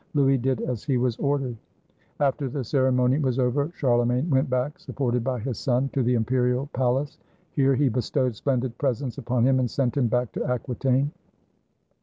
Louis did as he was ordered. After the ceremony was over, Charlemagne went back, supported by his son, to the imperial palace. Here he bestowed splendid presents upon him and sent him back to Aquitaine.